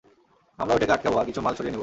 আমরা ঐটাকে আটকাব, আর কিছু মাল সরিয়ে নেব।